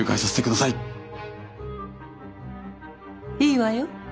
いいわよ。